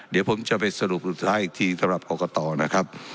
เดี๋ยวผมจะไปสรุปสุดท้ายอีกทีสำหรับกรกตนะครับ